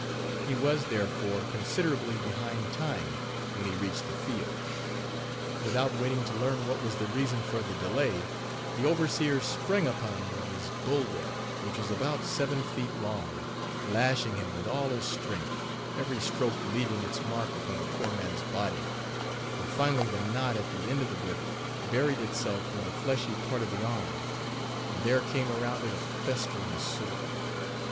He was, therefore, considerably behind time, when he reached the field. Without waiting to learn what was the reason for the delay, the overseer sprang upon him with his bull whip, which was about seven feet long, lashing him with all his strength, every stroke leaving its mark Page 24 upon the poor man's body, and finally the knot at the end of the whip buried itself in the fleshy part of the arm, and there came around it a festering sore.